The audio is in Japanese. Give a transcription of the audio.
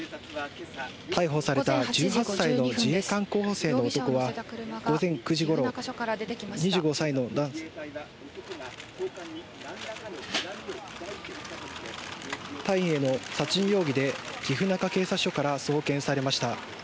逮捕された１８歳の自衛官候補生の男は午前９時ごろ２５歳の男性隊員への殺人容疑で岐阜中警察署から送検されました。